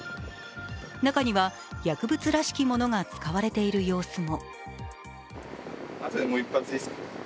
中には、薬物らしきものが使われている様子も。